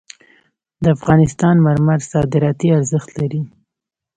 د افغانستان مرمر صادراتي ارزښت لري